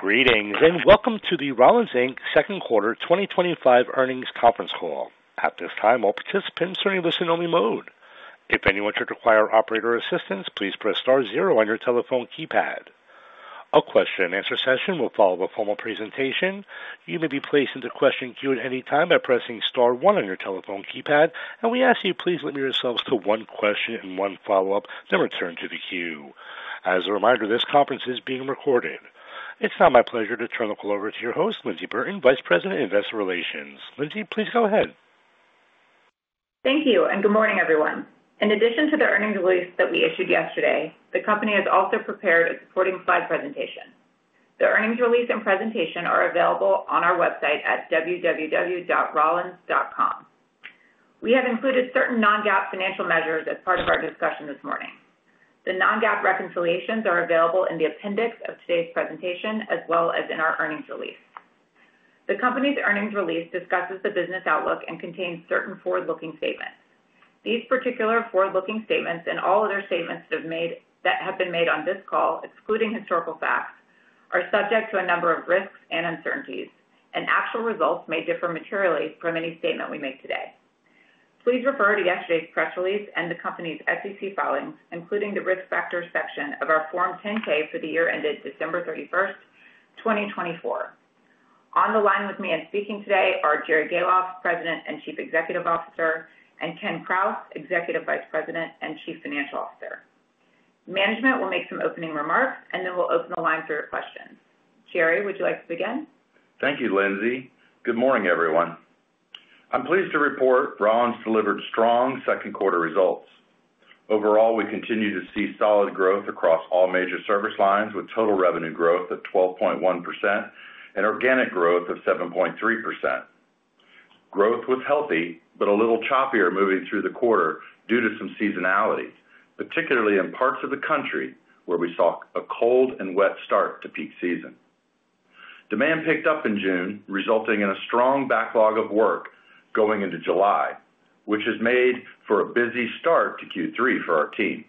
Greetings and welcome to the Rollins, Inc Second Quarter 2025 Earnings Conference Call. At this time, all participants are in listen-only mode. If anyone should require operator assistance, please press star zero on your telephone keypad. A question-and-answer session will follow a formal presentation. You may be placed into question queue at any time by pressing star one on your telephone keypad, and we ask that you please limit yourselves to one question and one follow-up, then return to the queue. As a reminder, this conference is being recorded. It's now my pleasure to turn the call over to your host, Lindsey Burton, Vice President, investor relations. Lindsey, please go ahead. Thank you, and good morning, everyone. In addition to the earnings release that we issued yesterday, the company has also prepared a supporting slide presentation. The earnings release and presentation are available on our website at www.rollins.com. We have included certain non-GAAP financial measures as part of our discussion this morning. The non-GAAP reconciliations are available in the appendix of today's presentation as well as in our earnings release. The company's earnings release discusses the business outlook and contains certain forward-looking statements. These particular forward-looking statements and all other statements that have been made on this call, excluding historical facts, are subject to a number of risks and uncertainties, and actual results may differ materially from any statement we make today. Please refer to yesterday's press release and the company's SEC filings, including the risk factors section of our Form 10-K for the year ended December 31st, 2024. On the line with me and speaking today are Jerry Gahlhoff, President and Chief Executive Officer, and Ken Krause, Executive Vice President and Chief Financial Officer. Management will make some opening remarks, and then we'll open the line for your questions. Jerry, would you like to begin? Thank you, Lindsey. Good morning, everyone. I'm pleased to report Rollins delivered strong second-quarter results. Overall, we continue to see solid growth across all major service lines, with total revenue growth of 12.1% and organic growth of 7.3%. Growth was healthy but a little choppier moving through the quarter due to some seasonalities, particularly in parts of the country where we saw a cold and wet start to peak season. Demand picked up in June, resulting in a strong backlog of work going into July, which has made for a busy start to Q3 for our team.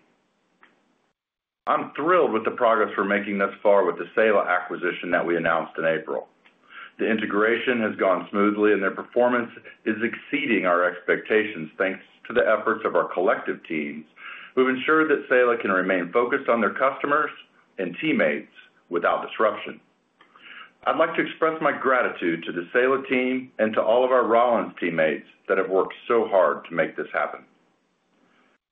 I'm thrilled with the progress we're making thus far with the Saela acquisition that we announced in April. The integration has gone smoothly, and their performance is exceeding our expectations thanks to the efforts of our collective teams who have ensured that Saela can remain focused on their customers and teammates without disruption. I'd like to express my gratitude to the Saela team and to all of our Rollins teammates that have worked so hard to make this happen.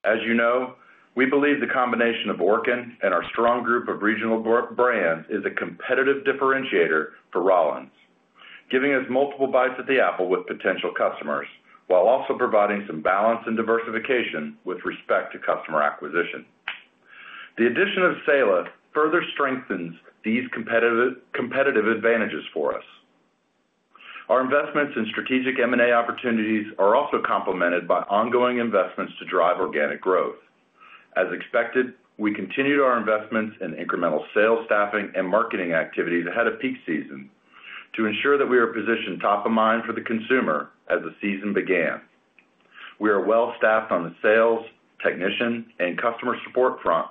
As you know, we believe the combination of Orkin and our strong group of regional brands is a competitive differentiator for Rollins, giving us multiple bites of the apple with potential customers while also providing some balance and diversification with respect to customer acquisition. The addition of Saela further strengthens these competitive advantages for us. Our investments in strategic M&A opportunities are also complemented by ongoing investments to drive organic growth. As expected, we continued our investments in incremental sales staffing and marketing activities ahead of peak season to ensure that we are positioned top of mind for the consumer as the season began. We are well-staffed on the sales, technician, and customer support front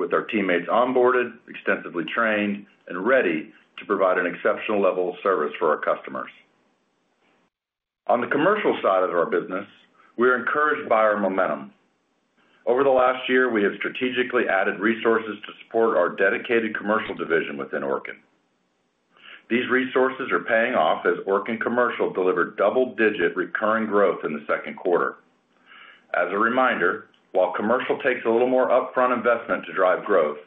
with our teammates onboarded, extensively trained, and ready to provide an exceptional level of service for our customers. On the commercial side of our business, we are encouraged by our momentum. Over the last year, we have strategically added resources to support our dedicated commercial division within Orkin. These resources are paying off as Orkin Commercial delivered double-digit recurring growth in the second quarter. As a reminder, while Commercial takes a little more upfront investment to drive growth,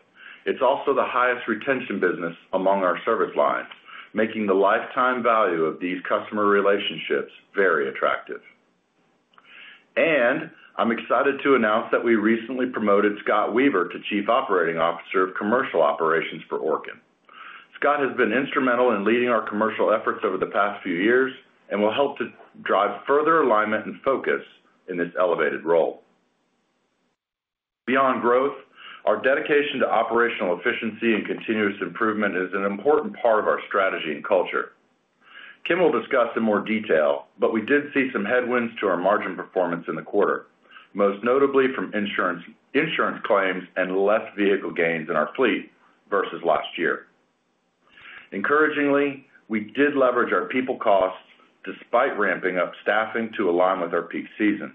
it's also the highest retention business among our service lines, making the lifetime value of these customer relationships very attractive. I'm excited to announce that we recently promoted Scott Weaver to Chief Operating Officer of Commercial Operations for Orkin. Scott has been instrumental in leading our commercial efforts over the past few years and will help to drive further alignment and focus in this elevated role. Beyond growth, our dedication to operational efficiency and continuous improvement is an important part of our strategy and culture. Ken will discuss in more detail, but we did see some headwinds to our margin performance in the quarter, most notably from insurance claims and less vehicle gains in our fleet versus last year. Encouragingly, we did leverage our people costs despite ramping up staffing to align with our peak season.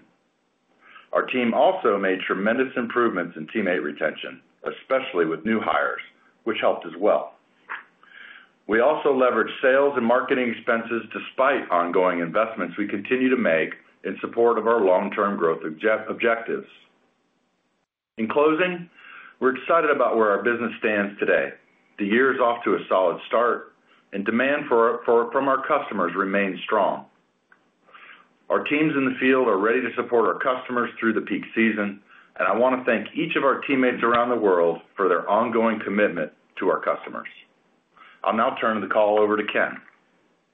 Our team also made tremendous improvements in teammate retention, especially with new hires, which helped as well. We also leveraged sales and marketing expenses despite ongoing investments we continue to make in support of our long-term growth objectives. In closing, we're excited about where our business stands today. The year is off to a solid start, and demand from our customers remains strong. Our teams in the field are ready to support our customers through the peak season, and I want to thank each of our teammates around the world for their ongoing commitment to our customers. I'll now turn the call over to Ken.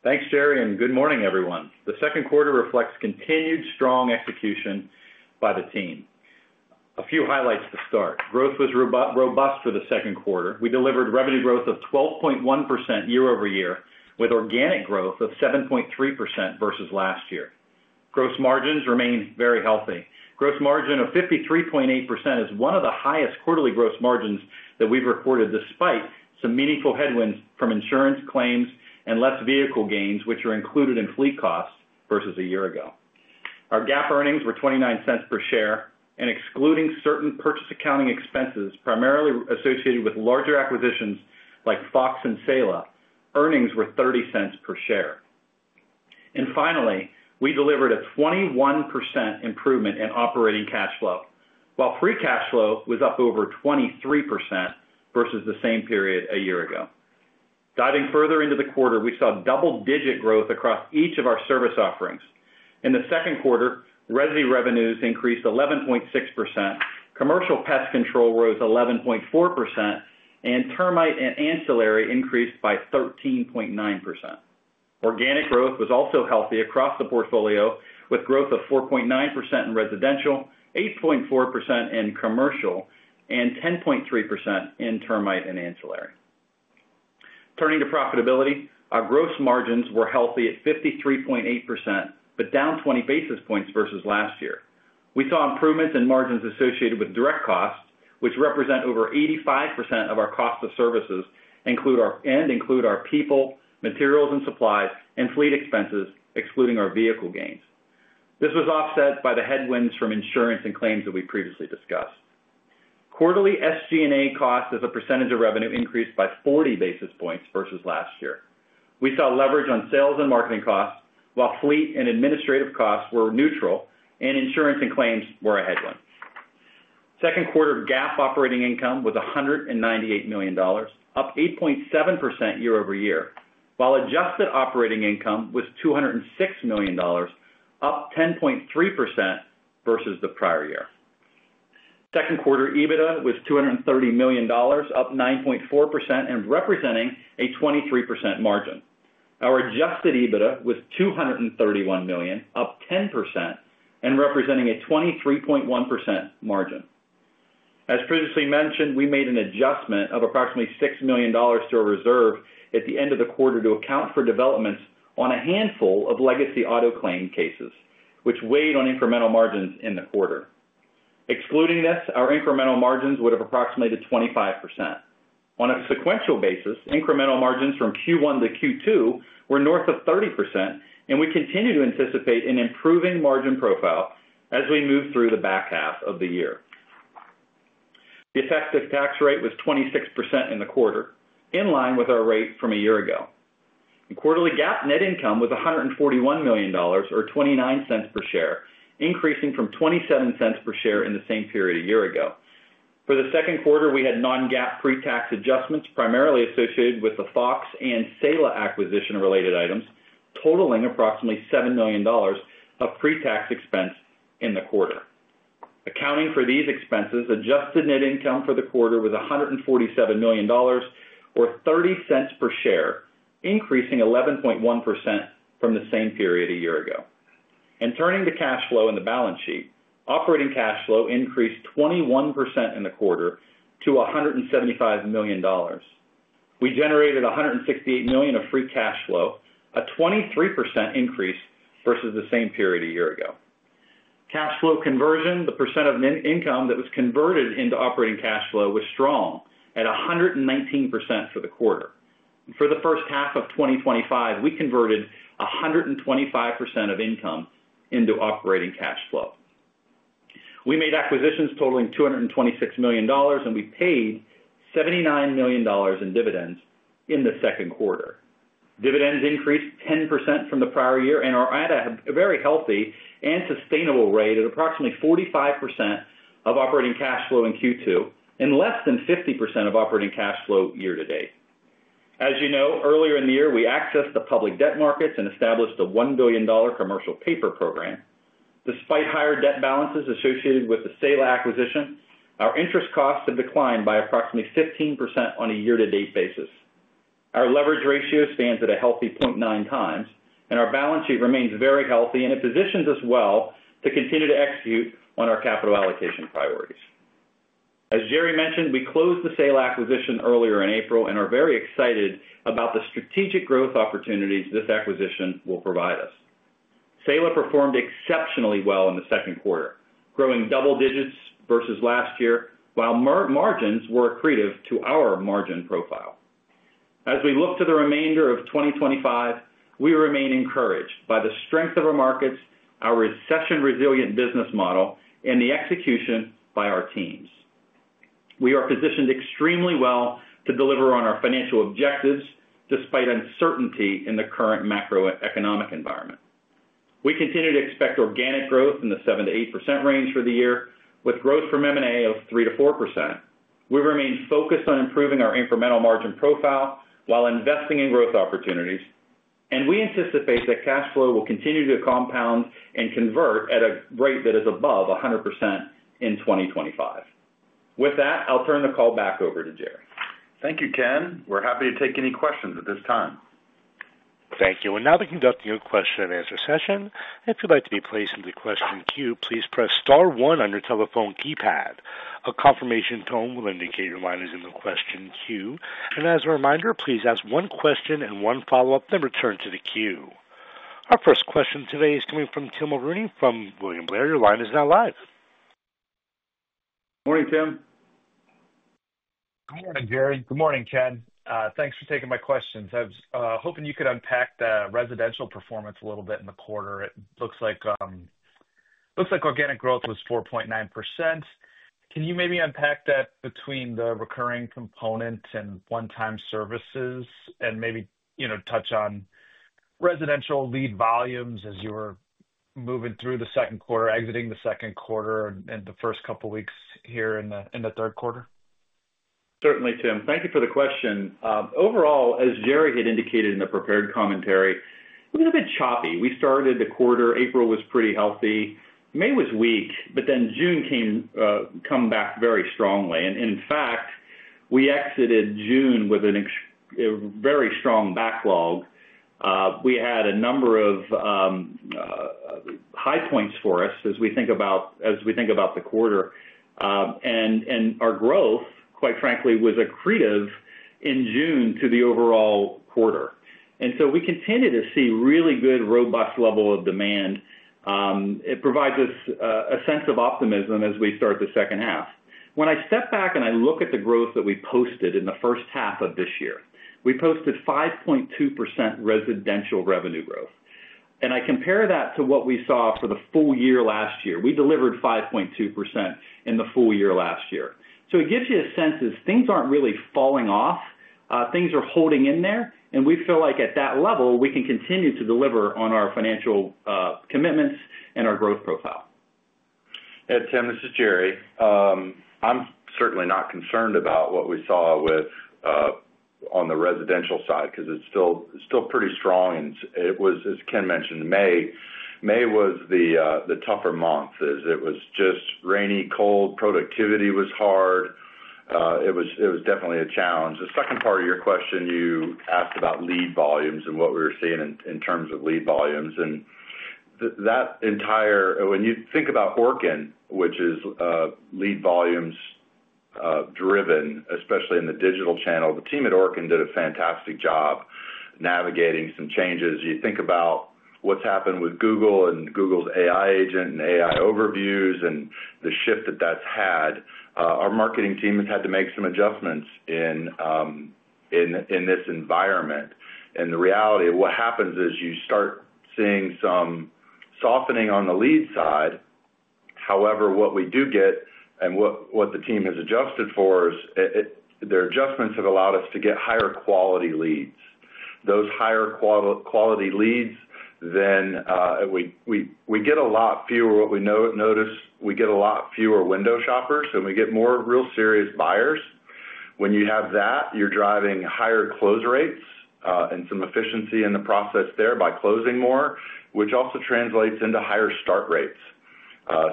Thanks, Jerry, and good morning, everyone. The second quarter reflects continued strong execution by the team. A few highlights to start. Growth was robust for the second quarter. We delivered revenue growth of 12.1% year over year, with organic growth of 7.3% versus last year. Gross margins remain very healthy. Gross margin of 53.8% is one of the highest quarterly gross margins that we've recorded despite some meaningful headwinds from insurance claims and less vehicle gains, which are included in fleet costs versus a year ago. Our GAAP earnings were $0.29 per share, and excluding certain purchase accounting expenses primarily associated with larger acquisitions like Fox and Saela, earnings were $0.30 per share. Finally, we delivered a 21% improvement in operating cash flow, while free cash flow was up over 23% versus the same period a year ago. Diving further into the quarter, we saw double-digit growth across each of our service offerings. In the second quarter, residential revenues increased 11.6%, commercial pest control rose 11.4%, and termite and ancillary increased by 13.9%. Organic growth was also healthy across the portfolio, with growth of 4.9% in residential, 8.4% in commercial, and 10.3% in termite and ancillary. Turning to profitability, our gross margins were healthy at 53.8% but down 20 basis points versus last year. We saw improvements in margins associated with direct costs, which represent over 85% of our cost of services and include our people, materials and supplies, and fleet expenses, excluding our vehicle gains. This was offset by the headwinds from insurance and claims that we previously discussed. Quarterly SG&A costs as a percentage of revenue increased by 40 basis points versus last year. We saw leverage on sales and marketing costs, while fleet and administrative costs were neutral, and insurance and claims were a headwind. Second quarter GAAP operating income was $198 million, up 8.7% year over year, while adjusted operating income was $206 million, up 10.3% versus the prior year. Second quarter EBITDA was $230 million, up 9.4%, and representing a 23% margin. Our adjusted EBITDA was $231 million, up 10%, and representing a 23.1% margin. As previously mentioned, we made an adjustment of approximately $6 million to our reserve at the end of the quarter to account for developments on a handful of legacy auto claim cases, which weighed on incremental margins in the quarter. Excluding this, our incremental margins would have approximated 25%. On a sequential basis, incremental margins from Q1 to Q2 were north of 30%, and we continue to anticipate an improving margin profile as we move through the back half of the year. The effective tax rate was 26% in the quarter, in line with our rate from a year ago. Quarterly GAAP net income was $141 million, or $0.29 per share, increasing from $0.27 per share in the same period a year ago. For the second quarter, we had non-GAAP pre-tax adjustments primarily associated with the Fox and Saela acquisition-related items, totaling approximately $7 million of pre-tax expense in the quarter. Accounting for these expenses, adjusted net income for the quarter was $147 million, or $0.30 per share, increasing 11.1% from the same period a year ago. Turning to cash flow and the balance sheet, operating cash flow increased 21% in the quarter to $175 million. We generated $168 million of free cash flow, a 23% increase versus the same period a year ago. Cash flow conversion, the percent of income that was converted into operating cash flow, was strong at 119% for the quarter. For the first half of 2025, we converted 125% of income into operating cash flow. We made acquisitions totaling $226 million, and we paid $79 million in dividends in the second quarter. Dividends increased 10% from the prior year and are at a very healthy and sustainable rate at approximately 45% of operating cash flow in Q2 and less than 50% of operating cash flow year to date. As you know, earlier in the year, we accessed the public debt markets and established a $1 billion commercial paper program. Despite higher debt balances associated with the Saela acquisition, our interest costs have declined by approximately 15% on a year-to-date basis. Our leverage ratio stands at a healthy 0.9 times, and our balance sheet remains very healthy and it positions us well to continue to execute on our capital allocation priorities. As Jerry mentioned, we closed the Saela acquisition earlier in April and are very excited about the strategic growth opportunities this acquisition will provide us. Saela performed exceptionally well in the second quarter, growing double digits versus last year, while margins were accretive to our margin profile. As we look to the remainder of 2025, we remain encouraged by the strength of our markets, our recession-resilient business model, and the execution by our teams. We are positioned extremely well to deliver on our financial objectives despite uncertainty in the current macroeconomic environment. We continue to expect organic growth in the 7-8% range for the year, with growth from M&A of 3-4%. We remain focused on improving our incremental margin profile while investing in growth opportunities, and we anticipate that cash flow will continue to compound and convert at a rate that is above 100% in 2025. With that, I'll turn the call back over to Jerry. Thank you, Ken. We're happy to take any questions at this time. Thank you. Now the conducting of question and answer session. If you'd like to be placed into the question queue, please press star one on your telephone keypad. A confirmation tone will indicate your line is in the question queue. As a reminder, please ask one question and one follow-up, then return to the queue. Our first question today is coming from Tim Mulrooney from William Blair. Your line is now live. Morning, Tim. Good morning, Jerry. Good morning, Ken. Thanks for taking my questions. I was hoping you could unpack the residential performance a little bit in the quarter. It looks like organic growth was 4.9%. Can you maybe unpack that between the recurring component and one-time services and maybe touch on residential lead volumes as you were moving through the second quarter, exiting the second quarter and the first couple of weeks here in the third quarter? Certainly, Tim. Thank you for the question. Overall, as Jerry had indicated in the prepared commentary, we've been a bit choppy. We started the quarter. April was pretty healthy. May was weak, but then June came back very strongly. In fact, we exited June with a very strong backlog. We had a number of high points for us as we think about the quarter. Our growth, quite frankly, was accretive in June to the overall quarter. We continue to see really good, robust level of demand. It provides us a sense of optimism as we start the second half. When I step back and I look at the growth that we posted in the first half of this year, we posted 5.2% residential revenue growth. I compare that to what we saw for the full year last year. We delivered 5.2% in the full year last year. It gives you a sense as things aren't really falling off. Things are holding in there. We feel like at that level, we can continue to deliver on our financial commitments and our growth profile. Hey, Tim, this is Jerry. I'm certainly not concerned about what we saw on the residential side because it's still pretty strong. As Ken mentioned, May was the tougher month. It was just rainy, cold. Productivity was hard. It was definitely a challenge. The second part of your question, you asked about lead volumes and what we were seeing in terms of lead volumes. That entire, when you think about Orkin, which is lead volumes driven, especially in the digital channel, the team at Orkin did a fantastic job navigating some changes. You think about what's happened with Google and Google's AI agent and AI overviews and the shift that that's had. Our marketing team has had to make some adjustments in this environment. The reality of what happens is you start seeing some softening on the lead side. However, what we do get and what the team has adjusted for is their adjustments have allowed us to get higher quality leads. Those higher quality leads, then we get a lot fewer, what we notice, we get a lot fewer window shoppers, and we get more real serious buyers. When you have that, you're driving higher close rates and some efficiency in the process there by closing more, which also translates into higher start rates.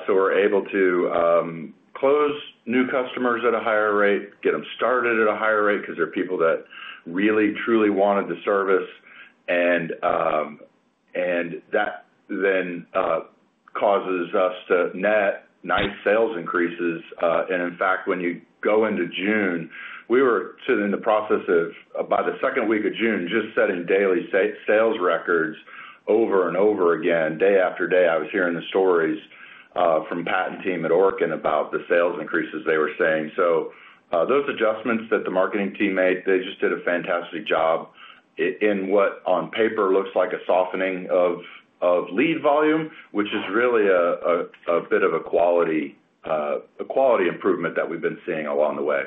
We're able to close new customers at a higher rate, get them started at a higher rate because there are people that really, truly wanted the service. That then causes us to net nice sales increases. In fact, when you go into June, we were in the process of, by the second week of June, just setting daily sales records over and over again, day after day. I was hearing the stories from Pat and team at Orkin about the sales increases they were seeing. Those adjustments that the marketing team made, they just did a fantastic job. In what on paper looks like a softening of lead volume, which is really a bit of a quality improvement that we've been seeing along the way.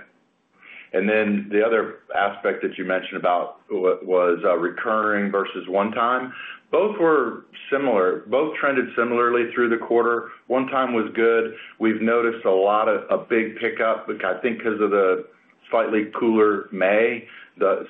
The other aspect that you mentioned about was recurring versus one-time. Both were similar. Both trended similarly through the quarter. One-time was good. We've noticed a lot of a big pickup, I think because of the slightly cooler May.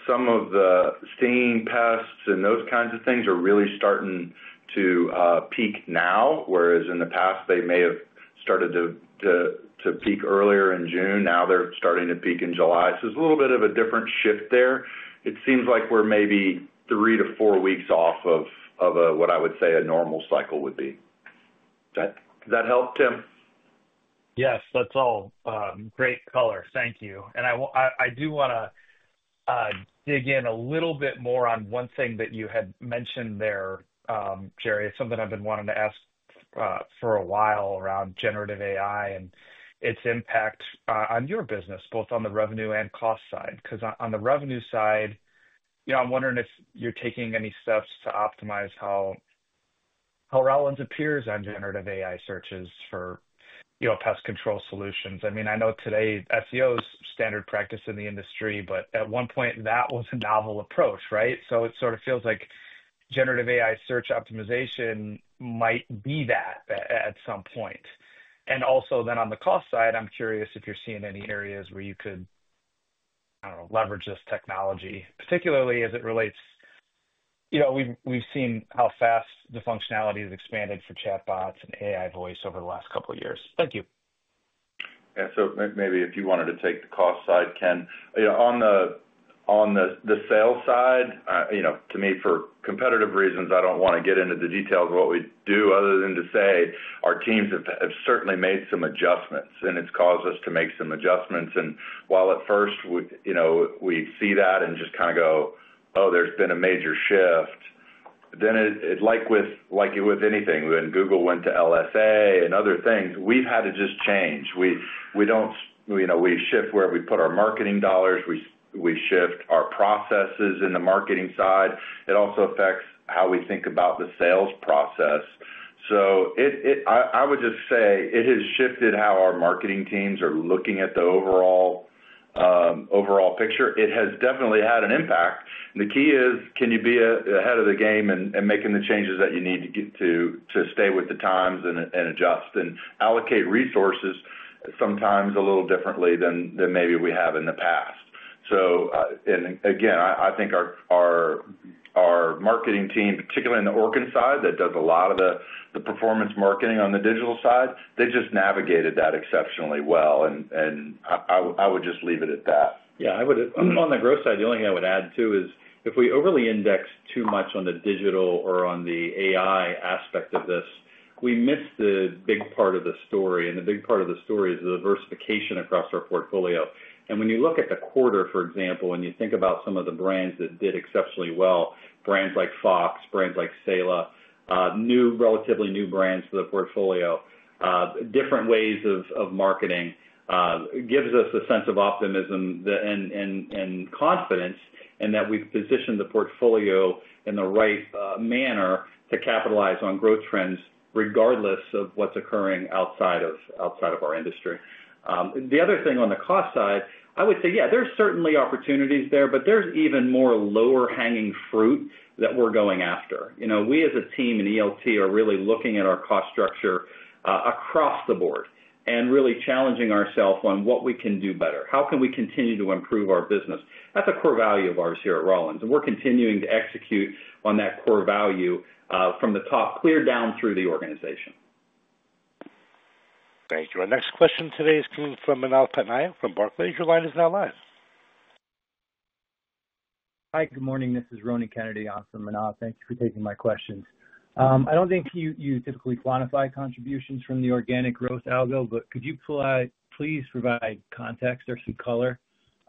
Some of the stinging pests and those kinds of things are really starting to peak now, whereas in the past, they may have started to peak earlier in June. Now they're starting to peak in July. It's a little bit of a different shift there. It seems like we're maybe three to four weeks off of what I would say a normal cycle would be. Does that help, Tim? Yes, that's all great color. Thank you. I do want to dig in a little bit more on one thing that you had mentioned there, Jerry. It's something I've been wanting to ask for a while around generative AI and its impact on your business, both on the revenue and cost side. Because on the revenue side, I'm wondering if you're taking any steps to optimize how Rollins appears on generative AI searches for pest control solutions. I mean, I know today SEO is standard practice in the industry, but at one point, that was a novel approach, right? It sort of feels like generative AI search optimization might be that at some point. Also, on the cost side, I'm curious if you're seeing any areas where you could leverage this technology, particularly as it relates. We've seen how fast the functionality has expanded for chatbots and AI voice over the last couple of years. Thank you. Yeah. Maybe if you wanted to take the cost side, Ken. On the sales side, to me, for competitive reasons, I do not want to get into the details of what we do other than to say our teams have certainly made some adjustments, and it has caused us to make some adjustments. While at first we see that and just kind of go, "Oh, there has been a major shift," then like with anything, when Google went to LSA and other things, we have had to just change. We do not shift where we put our marketing dollars. We shift our processes in the marketing side. It also affects how we think about the sales process. I would just say it has shifted how our marketing teams are looking at the overall picture. It has definitely had an impact. The key is, can you be ahead of the game and making the changes that you need to stay with the times and adjust and allocate resources sometimes a little differently than maybe we have in the past? I think our marketing team, particularly on the Orkin side, that does a lot of the performance marketing on the digital side, they just navigated that exceptionally well. I would just leave it at that. Yeah. On the growth side, the only thing I would add too is if we overly index too much on the digital or on the AI aspect of this, we miss the big part of the story. The big part of the story is the diversification across our portfolio. When you look at the quarter, for example, and you think about some of the brands that did exceptionally well, brands like Fox, brands like Saela, new, relatively new brands to the portfolio. Different ways of marketing gives us a sense of optimism and confidence in that we've positioned the portfolio in the right manner to capitalize on growth trends regardless of what's occurring outside of our industry. The other thing on the cost side, I would say, yeah, there's certainly opportunities there, but there's even more lower-hanging fruit that we're going after. We as a team in ELT are really looking at our cost structure across the board and really challenging ourselves on what we can do better. How can we continue to improve our business? That's a core value of ours here at Rollins. We're continuing to execute on that core value from the top clear down through the organization. Thank you. Our next question today is coming from Manal Patnay from Barclays. Your line is now live. Hi, good morning. This is Ronan Kennedy on from Manal. Thank you for taking my questions. I don't think you typically quantify contributions from the organic growth algo, but could you please provide context or some color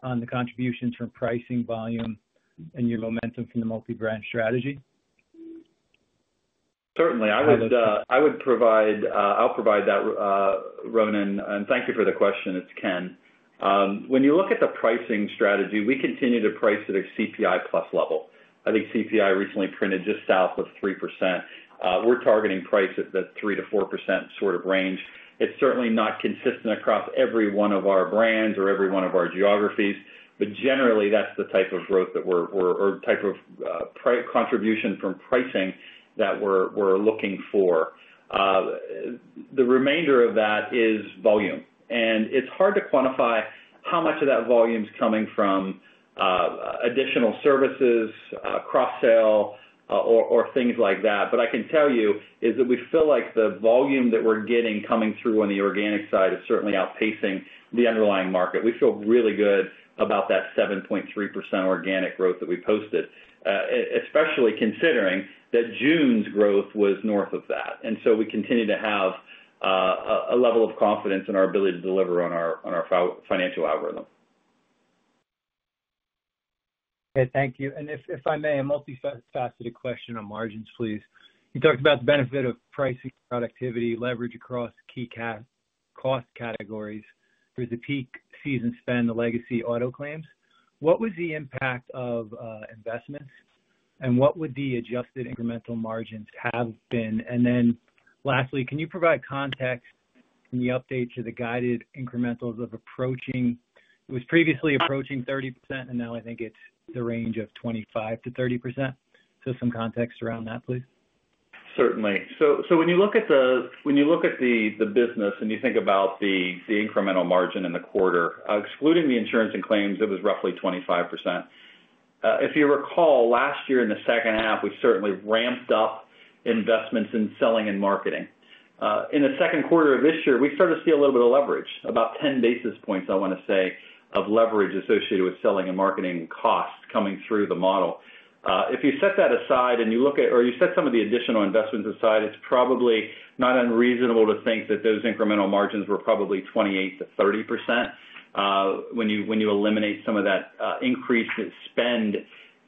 on the contributions from pricing, volume, and your momentum from the multi-brand strategy? Certainly. I'll provide that. Ronan, and thank you for the question. It's Ken. When you look at the pricing strategy, we continue to price at a CPI plus level. I think CPI recently printed just south of 3%. We're targeting price at the 3-4% sort of range. It's certainly not consistent across every one of our brands or every one of our geographies, but generally, that's the type of growth that we're or type of contribution from pricing that we're looking for. The remainder of that is volume. It's hard to quantify how much of that volume is coming from additional services, cross-sale, or things like that. What I can tell you is that we feel like the volume that we're getting coming through on the organic side is certainly outpacing the underlying market. We feel really good about that 7.3% organic growth that we posted, especially considering that June's growth was north of that. We continue to have a level of confidence in our ability to deliver on our financial algorithm. Okay. Thank you. If I may, a multifaceted question on margins, please. You talked about the benefit of pricing, productivity, leverage across key cost categories through the peak season spend, the legacy auto claims. What was the impact of investments? What would the adjusted incremental margins have been? Lastly, can you provide context in the update to the guided incrementals of approaching? It was previously approaching 30%, and now I think it's the range of 25-30%. Some context around that, please. Certainly. When you look at the business and you think about the incremental margin in the quarter, excluding the insurance and claims, it was roughly 25%. If you recall, last year in the second half, we certainly ramped up investments in selling and marketing. In the second quarter of this year, we started to see a little bit of leverage, about 10 basis points, I want to say, of leverage associated with selling and marketing costs coming through the model. If you set that aside and you look at or you set some of the additional investments aside, it's probably not unreasonable to think that those incremental margins were probably 28-30% when you eliminate some of that increased spend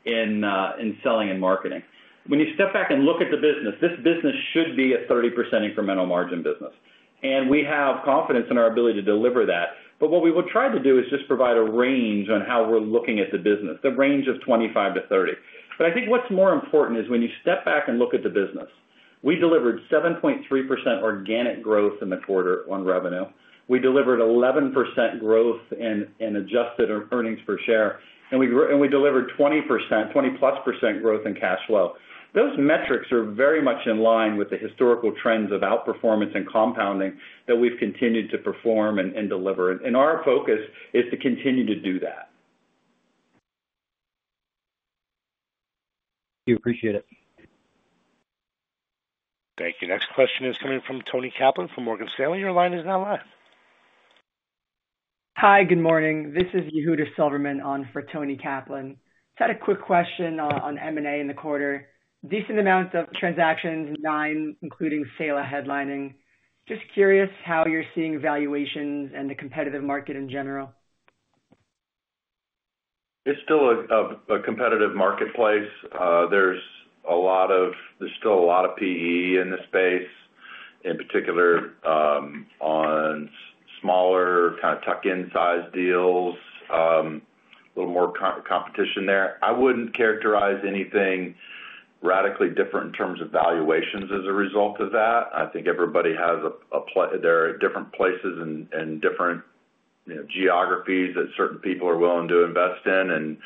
in selling and marketing. When you step back and look at the business, this business should be a 30% incremental margin business. We have confidence in our ability to deliver that. What we will try to do is just provide a range on how we're looking at the business, the range of 25-30%. I think what's more important is when you step back and look at the business, we delivered 7.3% organic growth in the quarter on revenue. We delivered 11% growth in adjusted earnings per share. We delivered 20-plus percent growth in cash flow. Those metrics are very much in line with the historical trends of outperformance and compounding that we've continued to perform and deliver. Our focus is to continue to do that. Thank you. Appreciate it. Thank you. Next question is coming from Tony Kaplan from Morgan Stanley. Your line is now live. Hi, good morning. This is Yehuda Silverman on for Tony Kaplan. Just had a quick question on M&A in the quarter. Decent amount of transactions, nine, including Saela headlining. Just curious how you're seeing valuations and the competitive market in general. It's still a competitive marketplace. There's a lot of PE in the space. In particular, on smaller kind of tuck-in size deals, a little more competition there. I wouldn't characterize anything radically different in terms of valuations as a result of that. I think everybody has a, they're at different places and different geographies that certain people are willing to invest in.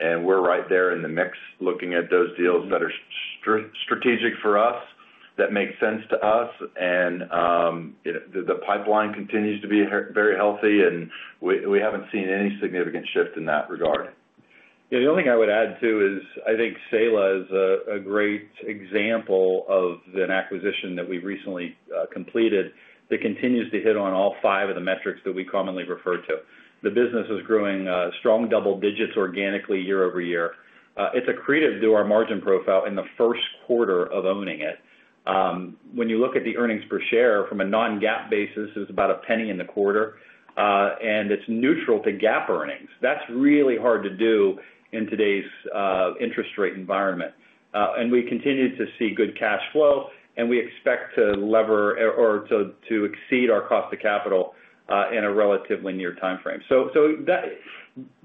We're right there in the mix looking at those deals that are strategic for us, that make sense to us. The pipeline continues to be very healthy, and we haven't seen any significant shift in that regard. Yeah. The only thing I would add too is I think Saela is a great example of an acquisition that we recently completed that continues to hit on all five of the metrics that we commonly refer to. The business is growing strong double digits organically year over year. It's accretive to our margin profile in the first quarter of owning it. When you look at the earnings per share from a non-GAAP basis, it was about a penny in the quarter. And it's neutral to GAAP earnings. That's really hard to do in today's interest rate environment. We continue to see good cash flow, and we expect to lever or to exceed our cost of capital in a relatively near timeframe.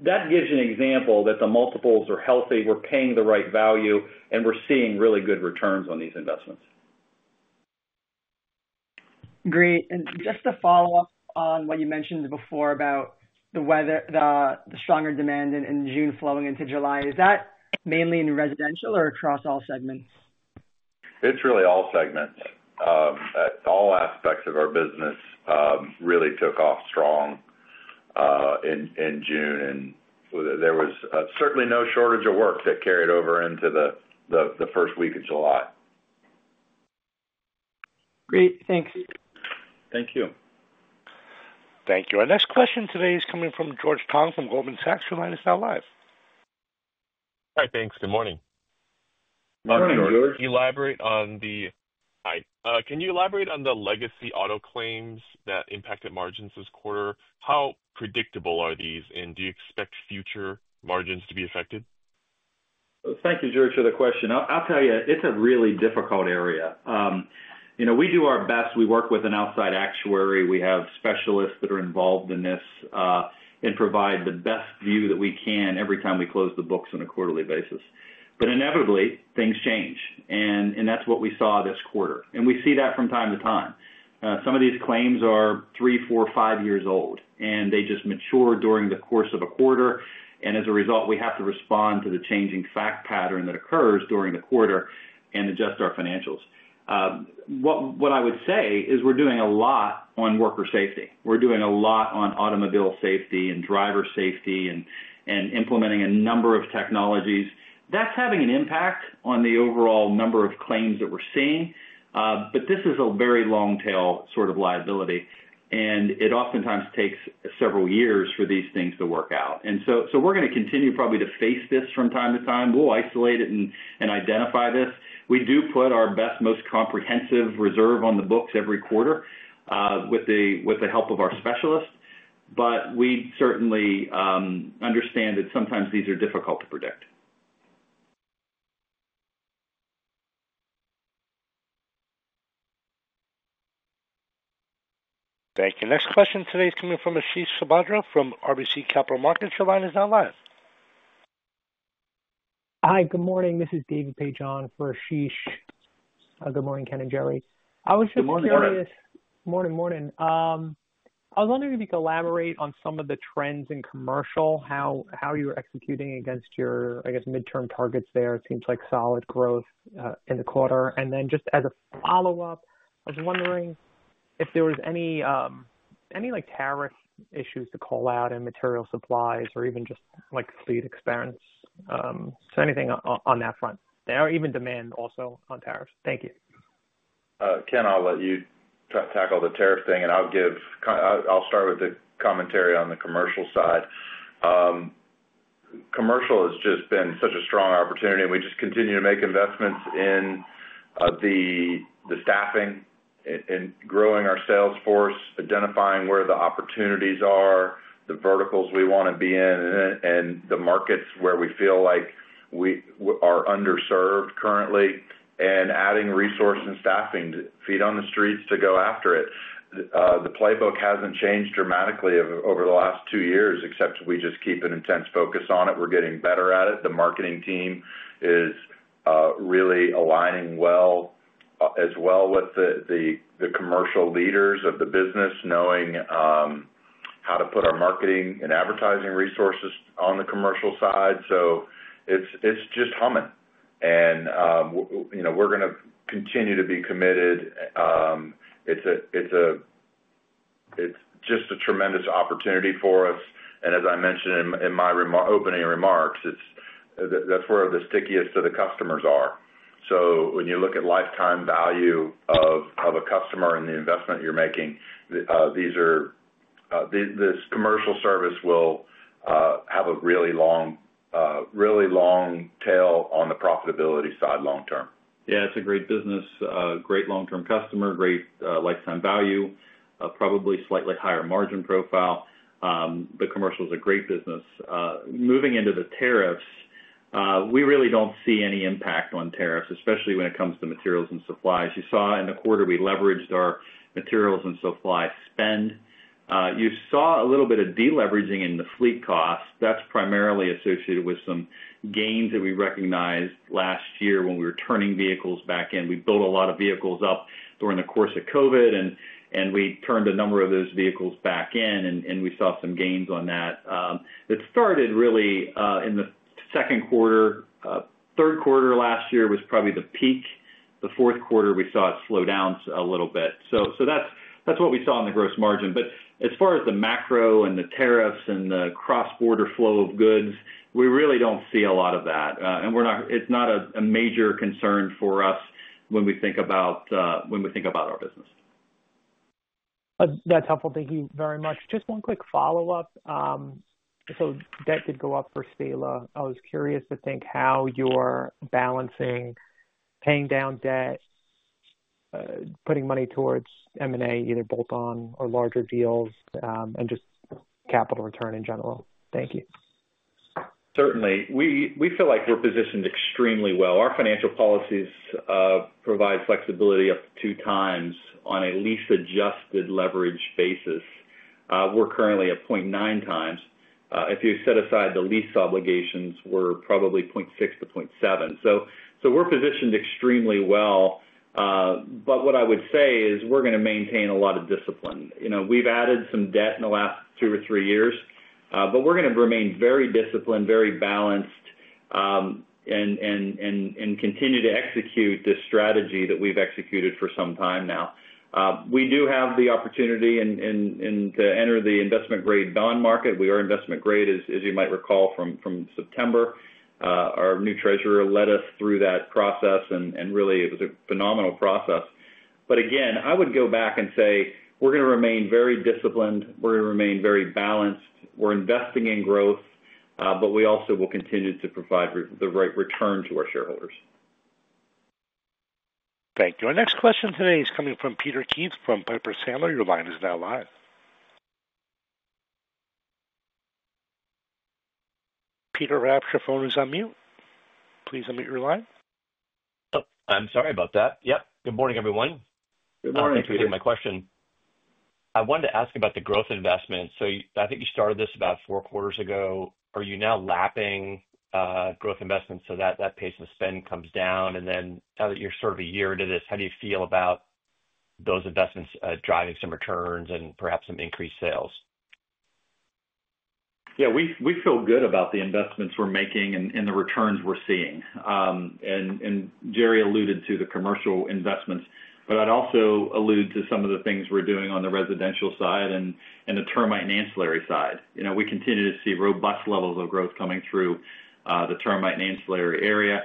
That gives you an example that the multiples are healthy. We're paying the right value, and we're seeing really good returns on these investments. Great. Just to follow up on what you mentioned before about the stronger demand in June flowing into July, is that mainly in residential or across all segments? It's really all segments. All aspects of our business really took off strong in June. There was certainly no shortage of work that carried over into the first week of July. Great. Thanks. Thank you. Thank you. Our next question today is coming from George Tong from Goldman Sachs. Your line is now live. Hi, thanks. Good morning. Morning, George. Can you elaborate on the— Hi. Can you elaborate on the legacy auto claims that impacted margins this quarter? How predictable are these, and do you expect future margins to be affected? Thank you, George, for the question. I'll tell you, it's a really difficult area. We do our best. We work with an outside actuary. We have specialists that are involved in this and provide the best view that we can every time we close the books on a quarterly basis. Inevitably, things change. That is what we saw this quarter. We see that from time to time. Some of these claims are three, four, five years old, and they just mature during the course of a quarter. As a result, we have to respond to the changing fact pattern that occurs during the quarter and adjust our financials. What I would say is we're doing a lot on worker safety. We're doing a lot on automobile safety and driver safety and implementing a number of technologies. That is having an impact on the overall number of claims that we're seeing. This is a very long-tail sort of liability. It oftentimes takes several years for these things to work out. We are going to continue probably to face this from time to time. We'll isolate it and identify this. We do put our best, most comprehensive reserve on the books every quarter with the help of our specialists. We certainly understand that sometimes these are difficult to predict. Thank you. Next question today is coming from Ashish Subhadra from RBC Capital Markets. Your line is now live. Hi, good morning. This is David Paige now for Ashish. Good morning, Ken and Jerry. I was just curious. Good morning, Jerry. Morning, morning. I was wondering if you could elaborate on some of the trends in commercial, how you're executing against your, I guess, midterm targets there. It seems like solid growth in the quarter. Just as a follow-up, I was wondering if there was any tariff issues to call out in material supplies or even just fleet expense. Anything on that front? Or even demand also on tariffs. Thank you. Ken, I'll let you tackle the tariff thing. I'll start with the commentary on the commercial side. Commercial has just been such a strong opportunity, and we just continue to make investments in the staffing, in growing our sales force, identifying where the opportunities are, the verticals we want to be in, and the markets where we feel like we are underserved currently, and adding resources and staffing to feed on the streets to go after it. The playbook hasn't changed dramatically over the last two years, except we just keep an intense focus on it. We're getting better at it. The marketing team is really aligning well as well with the commercial leaders of the business, knowing how to put our marketing and advertising resources on the commercial side. It's just humming. We're going to continue to be committed. It's just a tremendous opportunity for us. As I mentioned in my opening remarks, that's where the stickiest of the customers are. When you look at lifetime value of a customer and the investment you're making, these are—this commercial service will have a really long tail on the profitability side long term. Yeah, it's a great business, great long-term customer, great lifetime value, probably slightly higher margin profile. Commercial is a great business. Moving into the tariffs, we really don't see any impact on tariffs, especially when it comes to materials and supplies. You saw in the quarter we leveraged our materials and supply spend. You saw a little bit of deleveraging in the fleet costs. That's primarily associated with some gains that we recognized last year when we were turning vehicles back in. We built a lot of vehicles up during the course of COVID, and we turned a number of those vehicles back in, and we saw some gains on that. It started really in the second quarter. Third quarter last year was probably the peak. The fourth quarter, we saw it slow down a little bit. That's what we saw in the gross margin. As far as the macro and the tariffs and the cross-border flow of goods, we really don't see a lot of that. It's not a major concern for us when we think about our business. That's helpful. Thank you very much. Just one quick follow-up. Debt did go up for Saela. I was curious to think how you're balancing paying down debt, putting money towards M&A, either bolt-on or larger deals, and just capital return in general. Thank you. Certainly. We feel like we're positioned extremely well. Our financial policies provide flexibility up to 2x on a lease-adjusted leverage basis. We're currently at 0.9x. If you set aside the lease obligations, we're probably 0.6-0.7. We are positioned extremely well. What I would say is we're going to maintain a lot of discipline. We've added some debt in the last two or three years, but we're going to remain very disciplined, very balanced. We continue to execute this strategy that we've executed for some time now. We do have the opportunity to enter the investment-grade bond market. We are investment-grade, as you might recall, from September. Our new Treasurer led us through that process, and really, it was a phenomenal process. Again, I would go back and say we're going to remain very disciplined. We're going to remain very balanced. We're investing in growth, but we also will continue to provide the right return to our shareholders. Thank you. Our next question today is coming from Peter Keith from Piper Sandler. Your line is now live. Peter, I have your phone is on mute. Please unmute your line. Oh, I'm sorry about that. Yep. Good morning, everyone. Good morning. Thanks for taking my question. I wanted to ask about the growth investment. I think you started this about four quarters ago. Are you now lapping growth investments so that that pace of spend comes down? Now that you're sort of a year into this, how do you feel about those investments driving some returns and perhaps some increased sales? Yeah, we feel good about the investments we're making and the returns we're seeing. Jerry alluded to the commercial investments, but I'd also allude to some of the things we're doing on the residential side and the termite and ancillary side. We continue to see robust levels of growth coming through the termite and ancillary area.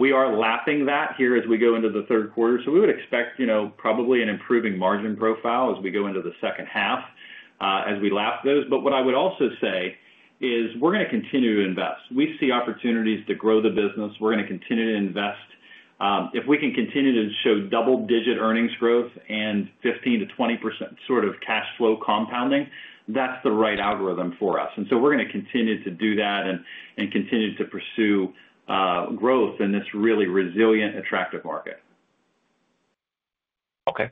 We are lapping that here as we go into the third quarter. We would expect probably an improving margin profile as we go into the second half as we lap those. What I would also say is we're going to continue to invest. We see opportunities to grow the business. We're going to continue to invest. If we can continue to show double-digit earnings growth and 15%-20% sort of cash flow compounding, that's the right algorithm for us. We're going to continue to do that and continue to pursue growth in this really resilient, attractive market. Okay.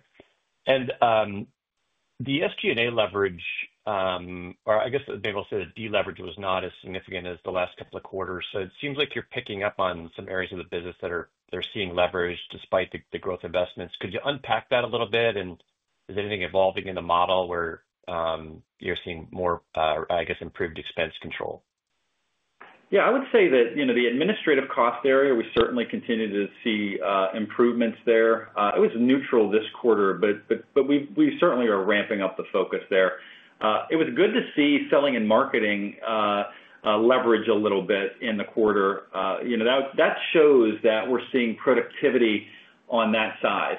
The SG&A leverage, or I guess I'll say the deleverage, was not as significant as the last couple of quarters. It seems like you're picking up on some areas of the business that are seeing leverage despite the growth investments. Could you unpack that a little bit? Is anything evolving in the model where you're seeing more, I guess, improved expense control? Yeah, I would say that the administrative cost area, we certainly continue to see improvements there. It was neutral this quarter, but we certainly are ramping up the focus there. It was good to see selling and marketing leverage a little bit in the quarter. That shows that we're seeing productivity on that side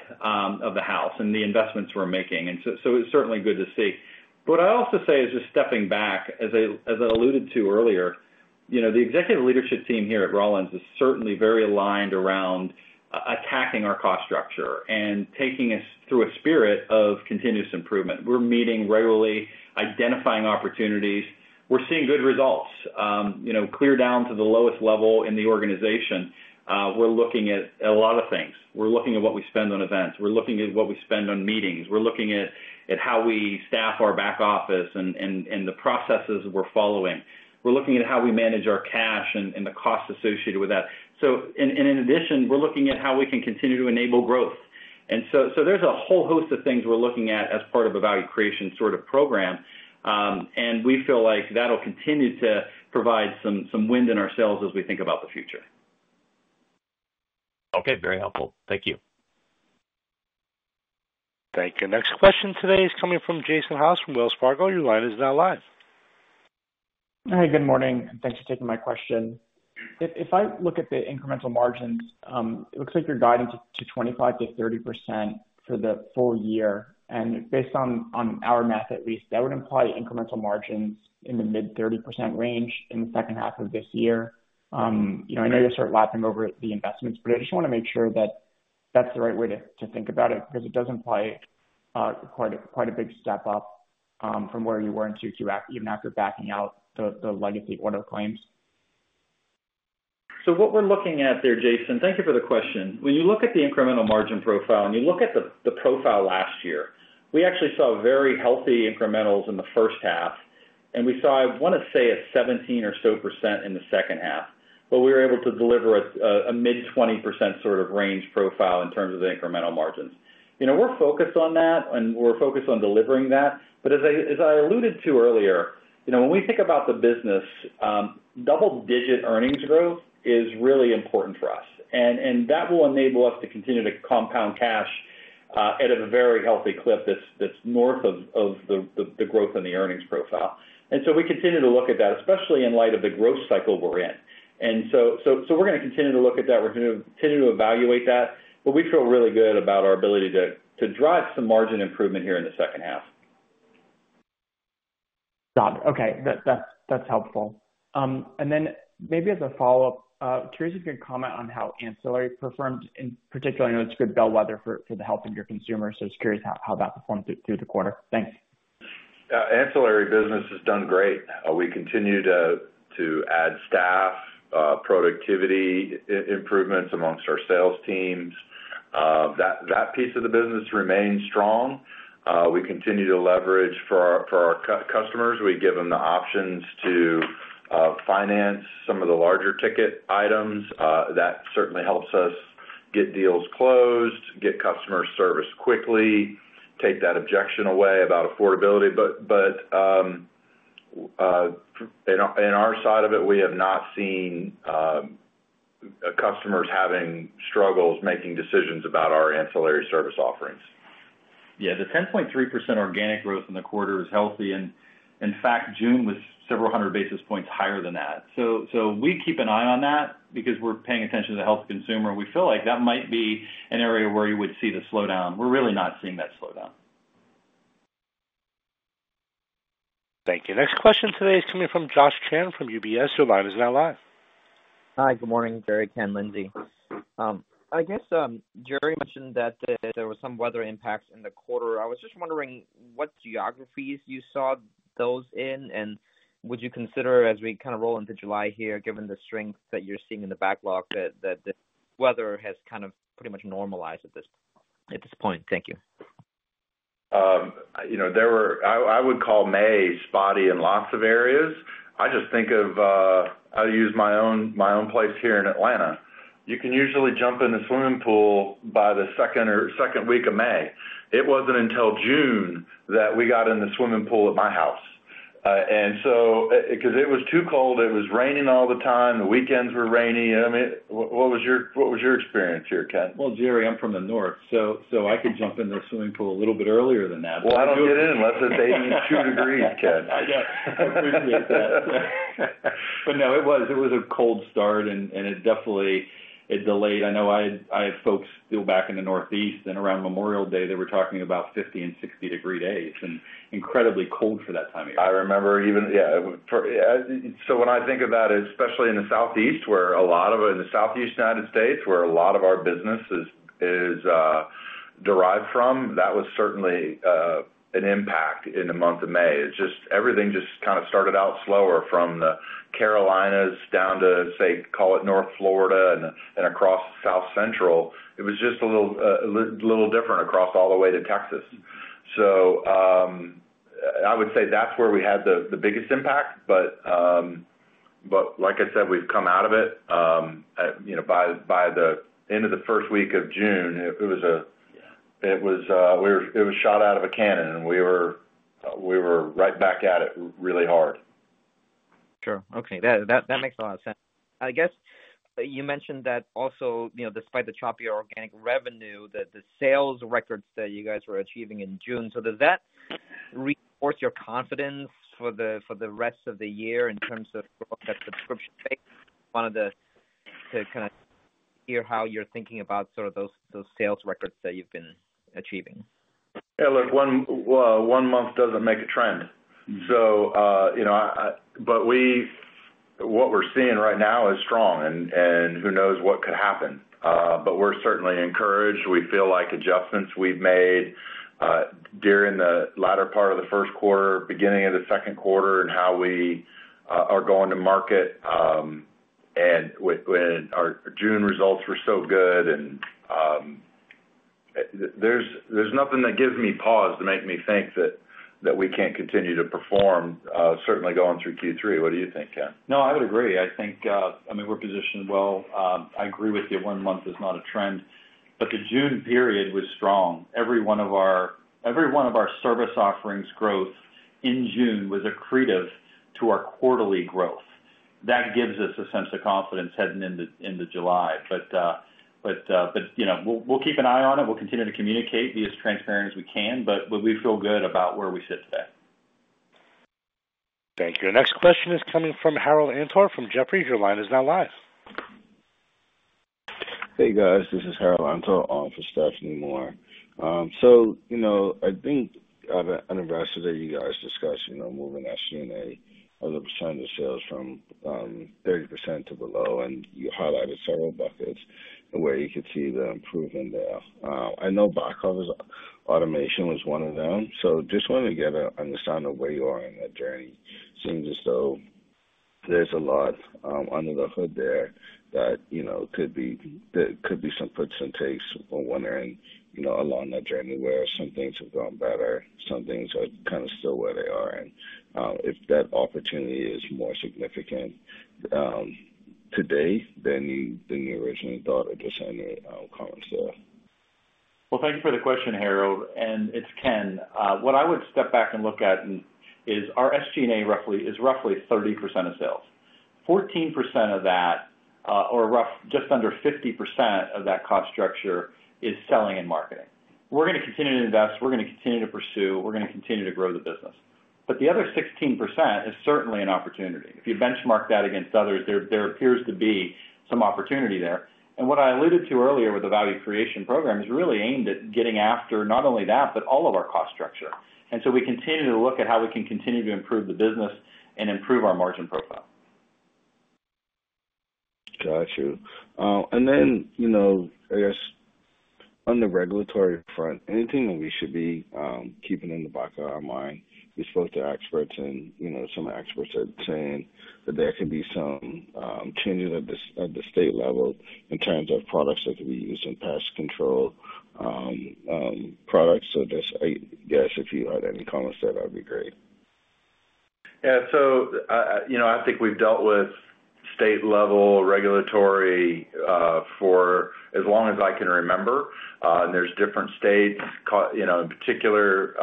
of the house and the investments we're making. It is certainly good to see. What I also say is just stepping back, as I alluded to earlier, the executive leadership team here at Rollins is certainly very aligned around attacking our cost structure and taking us through a spirit of continuous improvement. We're meeting regularly, identifying opportunities. We're seeing good results. Clear down to the lowest level in the organization, we're looking at a lot of things. We're looking at what we spend on events. We're looking at what we spend on meetings. We're looking at how we staff our back office and the processes we're following. We're looking at how we manage our cash and the costs associated with that. In addition, we're looking at how we can continue to enable growth. There is a whole host of things we're looking at as part of a value creation sort of program. We feel like that'll continue to provide some wind in our sails as we think about the future. Okay, very helpful. Thank you. Thank you. Next question today is coming from Jason Haas from Wells Fargo. Your line is now live. Hey, good morning. Thanks for taking my question. If I look at the incremental margins, it looks like you're guiding to 25-30% for the full year. And based on our math, at least, that would imply incremental margins in the mid-30% range in the second half of this year. I know you'll start lapping over the investments, but I just want to make sure that that's the right way to think about it because it does imply. Quite a big step up from where you were in Q2, even after backing out the legacy auto claims. What we're looking at there, Jason, thank you for the question. When you look at the incremental margin profile and you look at the profile last year, we actually saw very healthy incrementals in the first half. We saw, I want to say, a 17% or so in the second half. We were able to deliver a mid-20% sort of range profile in terms of the incremental margins. We're focused on that, and we're focused on delivering that. As I alluded to earlier, when we think about the business, double-digit earnings growth is really important for us. That will enable us to continue to compound cash at a very healthy clip that's north of the growth in the earnings profile. We continue to look at that, especially in light of the growth cycle we're in. We're going to continue to look at that. We're going to continue to evaluate that. We feel really good about our ability to drive some margin improvement here in the second half. Got it. Okay. That's helpful. Maybe as a follow-up, curious if you could comment on how ancillary performed. In particular, it's a good bellwether for the health of your consumers. I was curious how that performed through the quarter. Thanks. Ancillary business has done great. We continue to add staff, productivity improvements amongst our sales teams. That piece of the business remains strong. We continue to leverage for our customers. We give them the options to finance some of the larger ticket items. That certainly helps us get deals closed, get customer service quickly, take that objection away about affordability. In our side of it, we have not seen customers having struggles making decisions about our ancillary service offerings. Yeah, the 10.3% organic growth in the quarter is healthy. In fact, June was several hundred basis points higher than that. We keep an eye on that because we're paying attention to the health of the consumer. We feel like that might be an area where you would see the slowdown. We're really not seeing that slowdown. Thank you. Next question today is coming from Josh Chen from UBS. Your line is now live. Hi, good morning, Jerry, Ken, Lindsey. I guess Jerry mentioned that there were some weather impacts in the quarter. I was just wondering what geographies you saw those in, and would you consider, as we kind of roll into July here, given the strength that you're seeing in the backlog, that the weather has kind of pretty much normalized at this point? Thank you. I would call May spotty in lots of areas. I just think of, I'll use my own place here in Atlanta. You can usually jump in the swimming pool by the second week of May. It was not until June that we got in the swimming pool at my house. It was too cold, it was raining all the time. The weekends were rainy. I mean, what was your experience here, Ken? Jerry, I'm from the north, so I could jump in the swimming pool a little bit earlier than that. I don't get in unless it's 82 degrees, Ken. I appreciate that. No, it was a cold start, and it definitely delayed. I know I had folks still back in the Northeast, and around Memorial Day, they were talking about 50 and 60-degree days and incredibly cold for that time of year. I remember even, yeah. When I think of that, especially in the Southeast United States, where a lot of our business is derived from, that was certainly an impact in the month of May. Everything just kind of started out slower from the Carolinas down to, say, call it North Florida and across South Central. It was just a little different across all the way to Texas. I would say that's where we had the biggest impact. Like I said, we've come out of it. By the end of the first week of June, it was a shot out of a cannon, and we were right back at it really hard. Sure. Okay. That makes a lot of sense. I guess you mentioned that also, despite the choppier organic revenue, the sales records that you guys were achieving in June. Does that reinforce your confidence for the rest of the year in terms of growth at subscription base? Wanted to kind of hear how you're thinking about sort of those sales records that you've been achieving. Yeah, look, one month doesn't make a trend. What we're seeing right now is strong, and who knows what could happen. We're certainly encouraged. We feel like adjustments we've made during the latter part of the first quarter, beginning of the second quarter, and how we are going to market. When our June results were so good, there's nothing that gives me pause to make me think that we can't continue to perform, certainly going through Q3. What do you think, Ken? No, I would agree. I mean, we're positioned well. I agree with you. One month is not a trend. The June period was strong. Every one of our service offerings' growth in June was accretive to our quarterly growth. That gives us a sense of confidence heading into July. We'll keep an eye on it. We'll continue to communicate to be as transparent as we can. We feel good about where we sit today. Thank you. Next question is coming from Harold Antor from Jefferies. Your line is now live. Hey, guys. This is Harold Antor for Stephanie Moore. I think I've investigated you guys' discussion of moving SG&A of the percentage sales from 30% to below. You highlighted several buckets where you could see the improvement there. I know back office automation was one of them. I just wanted to get an understanding of where you are in that journey. It seems as though there's a lot under the hood there that could be some puts and takes. I'm wondering along that journey where some things have gone better, some things are kind of still where they are, and if that opportunity is more significant today than you originally thought or just any comments there. Thank you for the question, Harold. It's Ken. What I would step back and look at is our SG&A is roughly 30% of sales. Fourteen percent of that, or just under 50% of that cost structure, is selling and marketing. We're going to continue to invest. We're going to continue to pursue. We're going to continue to grow the business. The other 16% is certainly an opportunity. If you benchmark that against others, there appears to be some opportunity there. What I alluded to earlier with the value creation program is really aimed at getting after not only that, but all of our cost structure. We continue to look at how we can continue to improve the business and improve our margin profile. Got you. I guess on the regulatory front, anything that we should be keeping in the back of our mind? We spoke to experts, and some experts are saying that there could be some changes at the state level in terms of products that could be used in pest control products. Just, yes, if you had any comments there, that would be great. Yeah. I think we've dealt with state-level regulatory for as long as I can remember. There's different states, in particular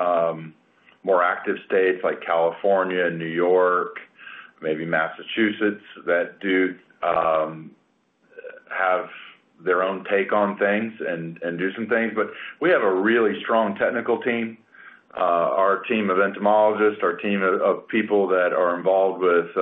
more active states like California, New York, maybe Massachusetts, that do have their own take on things and do some things. We have a really strong technical team. Our team of entomologists, our team of people that are involved with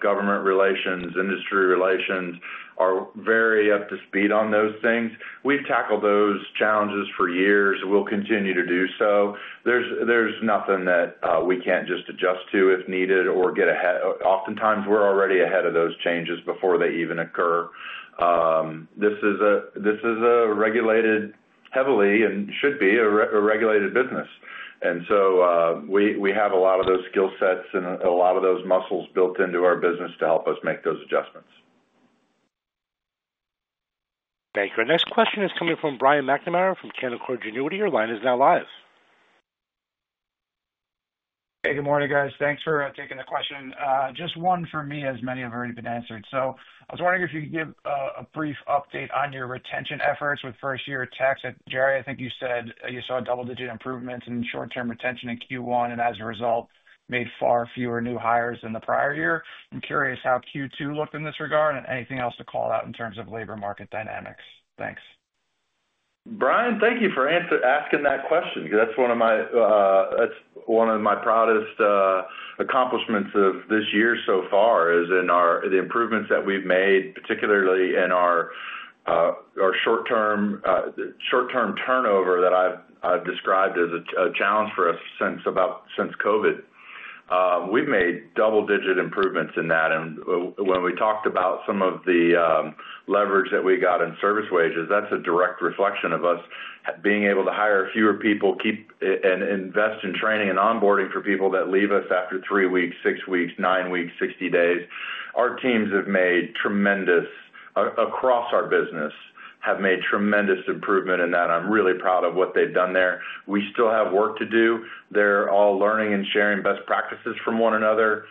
government relations, industry relations, are very up to speed on those things. We've tackled those challenges for years. We'll continue to do so. There's nothing that we can't just adjust to if needed or get ahead. Oftentimes, we're already ahead of those changes before they even occur. This is a regulated, heavily and should be a regulated business. We have a lot of those skill sets and a lot of those muscles built into our business to help us make those adjustments. Thank you. Our next question is coming from Brian McNamara from Canaccord Genuity. Your line is now live. Hey, good morning, guys. Thanks for taking the question. Just one for me, as many have already been answered. I was wondering if you could give a brief update on your retention efforts with first-year techs. Jerry, I think you said you saw double-digit improvements in short-term retention in Q1 and, as a result, made far fewer new hires than the prior year. I'm curious how Q2 looked in this regard and anything else to call out in terms of labor market dynamics. Thanks. Brian, thank you for asking that question because that's one of my proudest accomplishments of this year so far, is in the improvements that we've made, particularly in our short-term turnover that I've described as a challenge for us since COVID. We've made double-digit improvements in that. And when we talked about some of the leverage that we got in service wages, that's a direct reflection of us being able to hire fewer people, keep and invest in training and onboarding for people that leave us after three weeks, six weeks, nine weeks, 60 days. Our teams across our business have made tremendous improvement in that. I'm really proud of what they've done there. We still have work to do. They're all learning and sharing best practices from one another.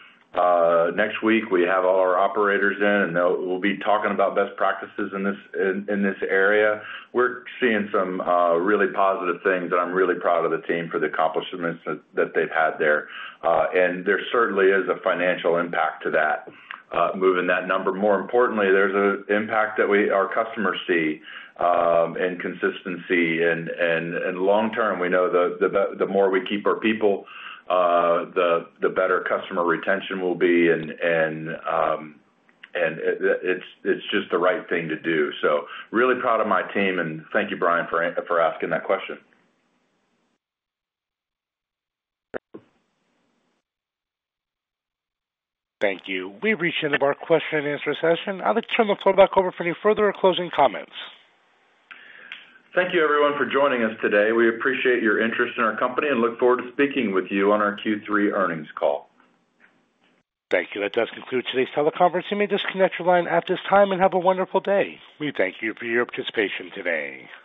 Next week, we have all our operators in, and we'll be talking about best practices in this area. We're seeing some really positive things, and I'm really proud of the team for the accomplishments that they've had there. There certainly is a financial impact to that, moving that number. More importantly, there's an impact that our customers see in consistency and long-term. We know the more we keep our people, the better customer retention will be. It's just the right thing to do. Really proud of my team, and thank you, Brian, for asking that question. Thank you. We've reached the end of our question and answer session. I'd like to turn the floor back over for any further closing comments. Thank you, everyone, for joining us today. We appreciate your interest in our company and look forward to speaking with you on our Q3 earnings call. Thank you. That does conclude today's teleconference. You may disconnect your line at this time and have a wonderful day. We thank you for your participation today.